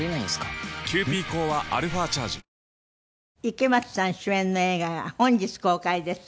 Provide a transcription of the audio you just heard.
池松さん主演の映画が本日公開です。